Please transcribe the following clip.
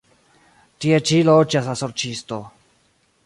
Tie ĉi loĝas la sorĉisto.